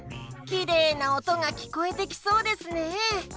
きれいなおとがきこえてきそうですね。